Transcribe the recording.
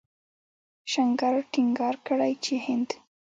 شنکر ټينګار کړی چې هند